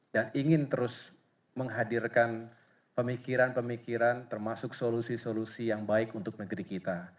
ingin terus menghadirkan pemikiran pemikiran termasuk solusi solusi yang baik untuk negeri kita